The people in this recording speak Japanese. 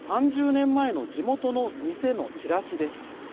３０年前の地元の店のチラシです。